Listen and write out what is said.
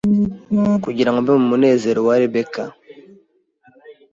kugirango mbe mumunezero na Rebekaa